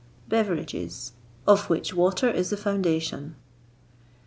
BEVERAGES, OF WHICH WATER IS THE FOUNDATION.